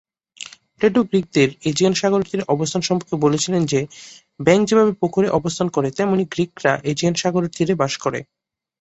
Plato গ্রীকদের Aegean সাগরের তীরে অবস্থান সম্পর্কে বলেছিলেন যে, ব্যাঙ যেভাবে পুকুরে অবস্থান করে, তেমনি গ্রীকরা এজিয়ান সাগর-তীরে বাস করে।